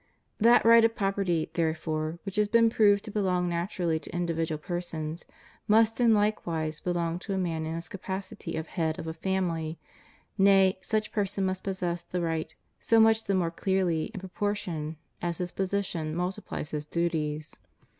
That right of property, therefore, which has been proved to belong naturally to individual persons, must in hke wise belong to a man in his capacity of head of a family; nay, such person must possess this right so much the more clearly in proportion as his position multipUes his duties.